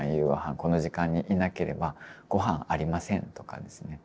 この時間にいなければごはんありませんとかですね。